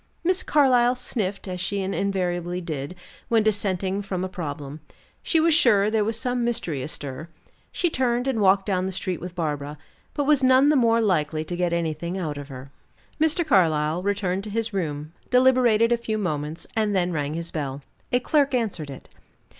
Miss Carlyle sniffed, as she invariably did, when dissenting from a problem. She was sure there was some mystery astir. She turned and walked down the street with Barbara, but she was none the more likely to get anything out of her. Mr. Carlyle returned to his room, deliberated a few moments, and then rang his bell. A clerk answered it.